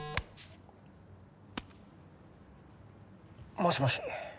もしもし？